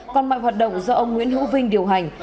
còn mọi hoạt động do ông nguyễn hữu vinh điều hành